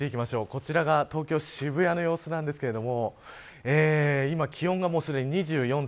こちらが東京、渋谷の様子ですが今、気温がすでに２４．４度。